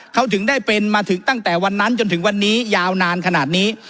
เขาถึงได้เป็นมาถึงตั้งแต่วันนั้นจนถึงวันนี้ยาวนานขนาดนี้